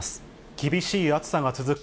厳しい暑さが続く